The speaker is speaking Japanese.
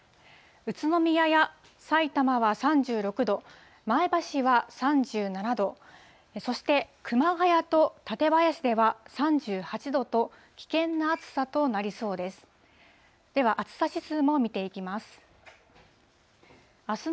宇都宮やさいたまは３６度、前橋は３７度、そして熊谷と館林では３８度と、危険な暑さとなりそうです。